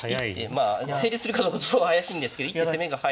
まあ成立するかどうか怪しいんですけど一手攻めが早く。